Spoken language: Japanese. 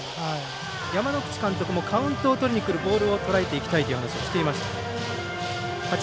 山之内監督もカウントを取りにくるボールをとらえていきたいという話をしていました。